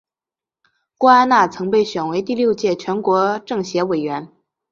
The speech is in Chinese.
郭安娜曾被选为第六届全国政协委员。